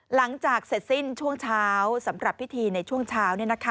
หลังจากเสร็จสิ้นช่วงเช้าสำหรับพิธีในช่วงเช้า